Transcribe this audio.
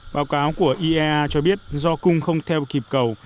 báo cáo của iea cho biết do cung không theo kịp cầu